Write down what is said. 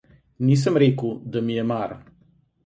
Nisem rekel, da mi je mar.